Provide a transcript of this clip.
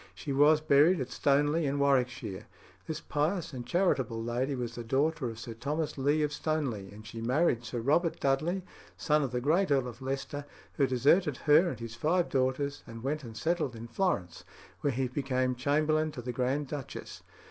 She was buried at Stoneleigh in Warwickshire. This pious and charitable lady was the daughter of Sir Thomas Leigh of Stoneleigh, and she married Sir Robert Dudley, son of the great Earl of Leicester, who deserted her and his five daughters, and went and settled in Florence, where he became chamberlain to the Grand Duchess.